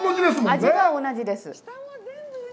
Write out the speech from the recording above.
味は同じです。